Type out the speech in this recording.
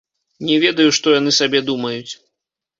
Не ведаю, што яны сабе думаюць.